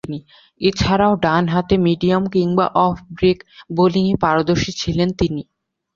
এছাড়াও, ডানহাতে মিডিয়াম কিংবা অফ ব্রেক বোলিংয়ে পারদর্শী ছিলেন তিনি।